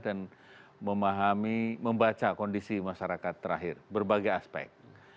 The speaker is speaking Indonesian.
dan membaca kondisi masyarakat terakhir berbagai aspek